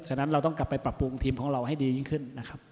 ฉะนั้นเราต้องกลับไปปรับปรุงทีมของเราให้ดียิ่งขึ้นนะครับ